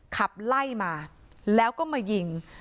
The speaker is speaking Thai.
ขับไล่มาแล้วก็มายิง